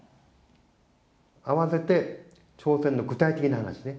あわせて、朝鮮の具体的な話ね。